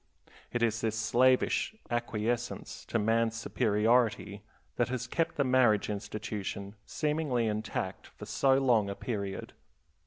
It is this slavish acquiescence to man's superiority that has kept the marriage institution seemingly intact for so long a period.